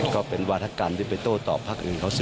ก็เป็นวาธกรรมที่ไปโต้ตอบพักอื่นเขาสิ